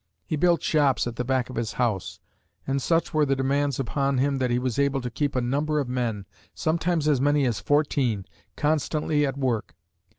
He built shops at the back of his house, and such were the demands upon him that he was able to keep a number of men, sometimes as many as fourteen, constantly at work.